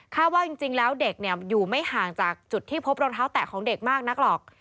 ว่าจริงแล้วเด็กอยู่ไม่ห่างจากจุดที่พบรองเท้าแตะของเด็กมากนักหรอก